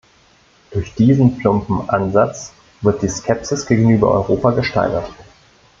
Durch diesen plumpen Ansatz wird die Skepsis gegenüber Europa gesteigert.